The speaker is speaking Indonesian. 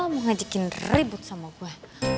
mengajakin ribut sama gue